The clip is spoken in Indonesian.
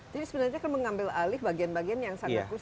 jadi sebenarnya kan mengambil alih bagian bagian yang sangat khusus